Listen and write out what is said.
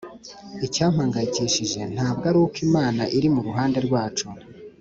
icyampangayikishije ntabwo aruko imana iri muruhande rwacu;